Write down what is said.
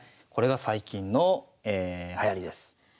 これが最近のはやりです。